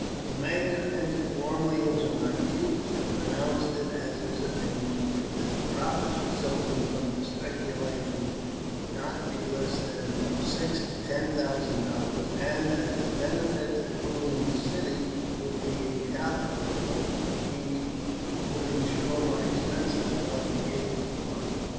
The mayor entered warmly into my views, and pro nounced it as his opinion that the profits resulting from the speculation could not be less than from six to ten thousand dollars ; and as the benefits accruing to the city would be incalculable, he would insure my expenses while engaged upon it.